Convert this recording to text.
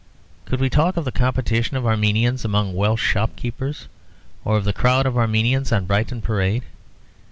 Could we talk of the competition of Armenians among Welsh shop keepers, or of the crowd of Armenians on Brighton Parade?